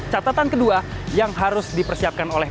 catatan kedua yang harus dipersiapkan oleh